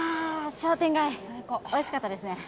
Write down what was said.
商店街おいしかったですね